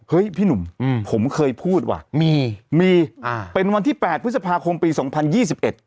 พี่หนุ่มอืมผมเคยพูดว่ะมีมีอ่าเป็นวันที่แปดพฤษภาคมปีสองพันยี่สิบเอ็ด